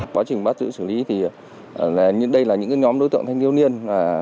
quá trình bắt giữ xử lý thì đây là những nhóm đối tượng thanh thiếu niên